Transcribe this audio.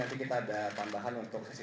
konsepnya berapa sih